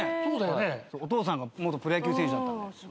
お父さんが元プロ野球選手だった。